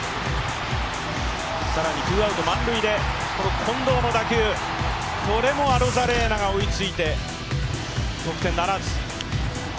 さらにツーアウト満塁で近藤の打球、これもアロザレーナが追いついて得点ならず。